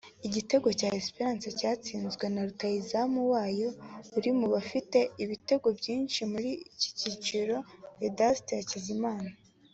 Igitego cya Esperance cyatsinzwe na rutahizamu wayo uri mu bafite ibitego byinshi muri iki cyiciro Vincent Hakizimana